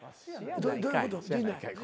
どういうこと？